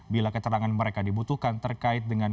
bila keterangan mereka dibutuhkan terkait dengan